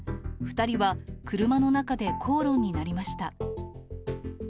２人は車の中で口論になりました。